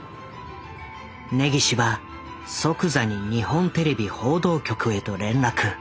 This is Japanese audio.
根岸は即座に日本テレビ報道局へと連絡。